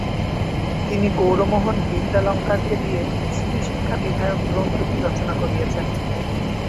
তিনি গৌরমোহন বিদ্যালঙ্কারকে দিয়ে স্ত্রীশিক্ষা বিধায়ক গ্রন্থটি রচনা করিয়েছেন।